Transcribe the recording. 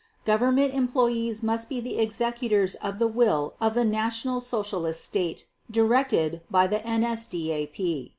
. Government employees must be the executors of the will of the National Socialist State, directed by the NSDAP."